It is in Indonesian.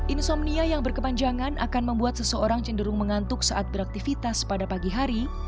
insomnia yang berkepanjangan akan membuat seseorang cenderung mengantuk saat beraktivitas pada pagi hari